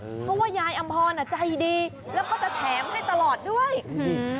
เพราะว่ายายอำพรอ่ะใจดีแล้วก็จะแถมให้ตลอดด้วยอื้อหือ